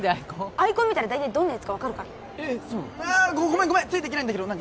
アイコン見たら大体どんなヤツか分かるからごめんごめんついていけないんだけど何？